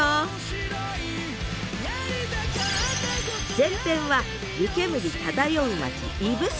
前編は湯煙漂う町指宿。